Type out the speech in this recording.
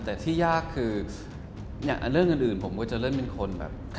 แต่ที่ยากคือเรื่องอื่นผมก็จะเล่นเป็นคนแบบ